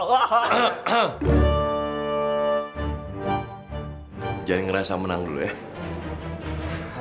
jahe ngerasa menang dulu ya